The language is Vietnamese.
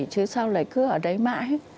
chứ sao lại cứ ở đấy mãi